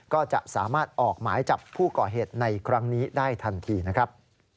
ก็จะสามารถออกหมายจับผู้ก่อเหตุในครั้งนี้ได้ทันทีนะครับ